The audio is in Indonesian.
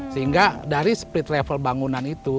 sehingga dari split level bangunan itu